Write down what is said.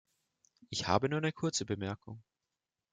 Ich habe nur eine kurze Bemerkung.